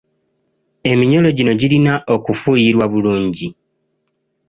Eminyolo gino girina okufuuyirwa bulungi.